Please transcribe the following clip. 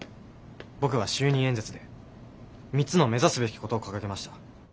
僕は就任演説で３つの目指すべきことを掲げました。